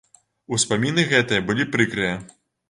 Успаміны гэтыя былі прыкрыя.